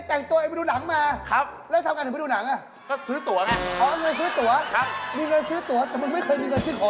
แต่มึงไม่เคยมีเงินชื่อขอรักเลย